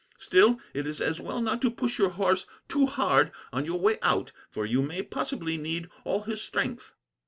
Still, it is as well not to push your horse too hard on your way out, for you may possibly need all his strength."